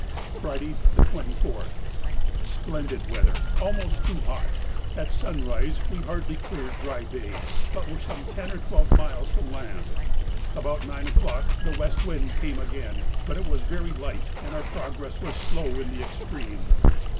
Friday, the 24th.—Splendid weather, almost too hot. At sunrise we had hardly cleared Dry Bay, but were some ten or twelve miles from land. About nine o'clock the west wind came again, but it was very light, and our progress was slow in the extreme.